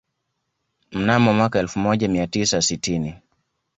Mnamo mwaka elfu moja mia tisa sitini